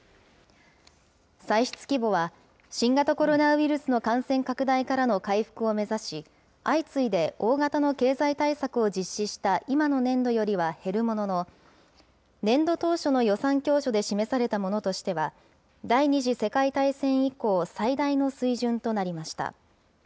歳出規模は、新型コロナウイルスの感染拡大からの回復を目指し、相次いで大型の経済対策を実施した今の年度よりは減るものの、年度当初の予算教書で示されたものとしては、第２次世界大戦以降、最大の水準となりました。